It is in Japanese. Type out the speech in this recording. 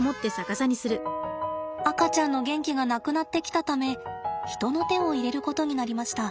赤ちゃんの元気がなくなってきたため人の手を入れることになりました。